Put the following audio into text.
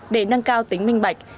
để nâng cao tính minh bạch